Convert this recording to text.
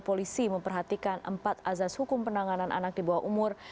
polisi memperhatikan empat azas hukum penanganan anak di bawah umur